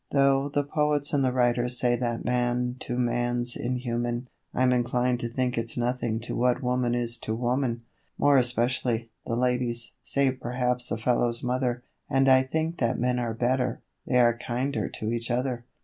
(Tho' the poets and the writers say that man to man's inhuman, I'm inclined to think it's nothing to what woman is to woman, More especially, the ladies, save perhaps a fellow's mother; And I think that men are better they are kinder to each other.)